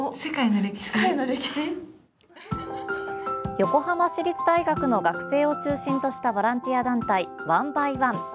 横浜市立大学の学生を中心としたボランティア団体「ｏｎｅｂｙＯＮＥ」。